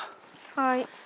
はい。